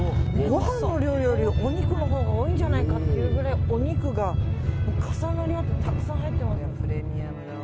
ご飯の量よりお肉のほうが多いんじゃないかっていうくらいお肉が重なり合ってたくさん入ってますね。